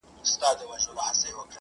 o نه باد وهلي يو، نه لمر سوځلي يو.